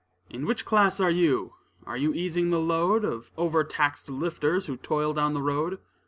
In which class are you? Are you easing the load, Of overtaxed lifters, who toil down the road?